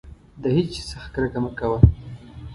د هېڅ شي څخه کرکه مه کوه.